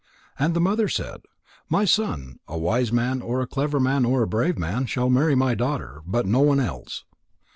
And the mother said: "My son, a wise man or a clever man or a brave man shall marry my daughter but no one else.